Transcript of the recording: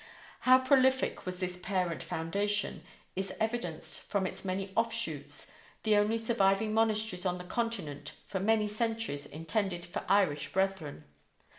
How prolific was this parent foundation is evidenced from its many offshoots, the only surviving monasteries on the continent for many centuries intended for Irish brethren.